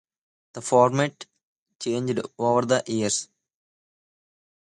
The format changed over the years.